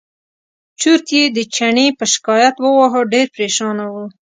چورت یې د چڼي په شکایت وواهه ډېر پرېشانه و.